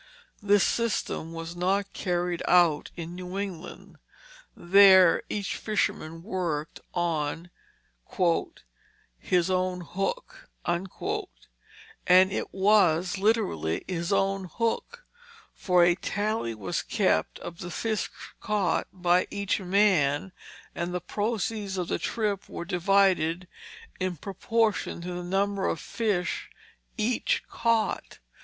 This system was not carried out in New England. There, each fisherman worked on "his own hook" and it was literally his own hook; for a tally was kept of the fish caught by each man, and the proceeds of the trip were divided in proportion to the number of fish each caught.